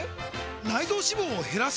内臓脂肪を減らす！？